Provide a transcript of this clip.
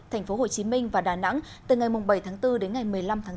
thành phố hồ chí minh và đà nẵng từ ngày bảy tháng bốn đến ngày một mươi năm tháng bốn